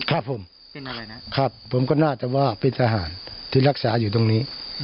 ครับผมเป็นอะไรนะครับผมก็น่าจะว่าเป็นทหารที่รักษาอยู่ตรงนี้